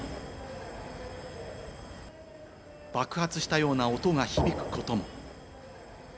爆発したような音が響くことも。